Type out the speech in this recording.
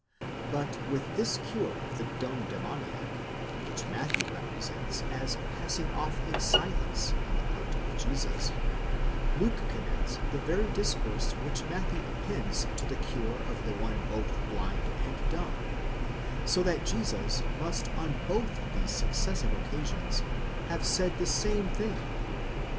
But with this cure of the dumb demoniac, which Matthew represents as passing off in silence on the part of Jesus, Luke connects the very dis course which Matthew appends to the cure of the one both blind and dumb ; so that Jesus must on both these successive occasions, have said the same thing.